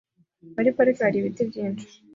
Muri parike hari ibiti byinshi?